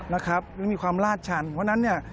มันมีความลาดชันเพราะฉะนั้น